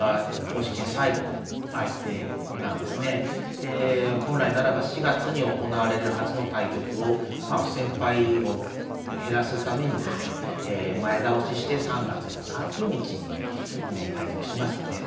で本来ならば４月に行われるはずの対局をまあ不戦敗を減らすためにですね前倒しして３月の３０日に対局しましてね